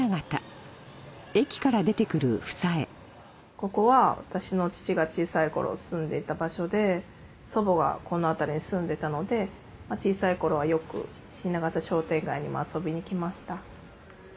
ここは私の父が小さい頃住んでいた場所で祖母がこの辺りに住んでたので小さい頃はよく新長田商店街にも遊びに来ました。